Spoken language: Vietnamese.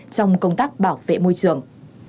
trong công tác bảo vệ môi trường